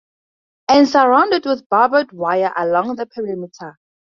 And surround it with barbed wire along the perimeter.